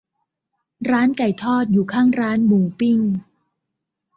ร้านไก่ทอดอยู่ข้างร้านหมูปิ้ง